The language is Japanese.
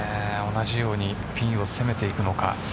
同じようにピンを攻めていくのか。